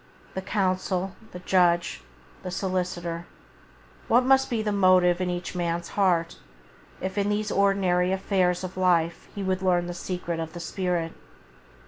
The counsel, the judge, the solicitor, what must be the motive in each man's heart if in these ordinary affairs of life he would learn the secret of the spirit